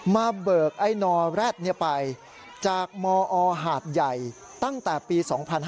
เบิกไอ้นอแร็ดไปจากมอหาดใหญ่ตั้งแต่ปี๒๕๕๙